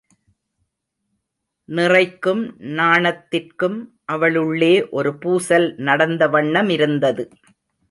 நிறைக்கும் நாணத்திற்கும் அவளுள்ளே ஒரு பூசல் நடந்த வண்ணமிருந்தது.